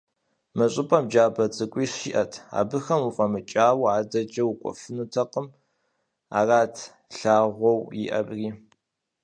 Мы щӀыпӀэм джабэ цӀыкӀуищ иӀэт, абыхэм уфӀэмыкӀауэ адэкӀэ укӀуэфынутэкъым, арат лъагъуэу иӀэри.